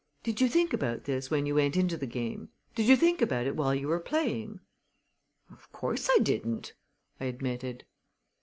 Did you think about this when you went into the game? Did you think about it while you were playing?" "Of course I didn't," I admitted.